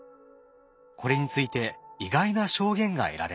これについて意外な証言が得られました。